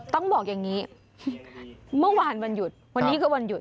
ต้องบอกอย่างนี้เมื่อวานวันหยุดวันนี้คือวันหยุด